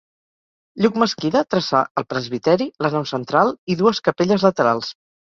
Lluc Mesquida traçà el presbiteri, la nau central i dues capelles laterals.